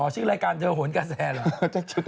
อ๋อชื่อรายการเจอโหนกาแซนหรือ